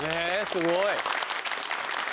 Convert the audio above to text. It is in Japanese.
すごい！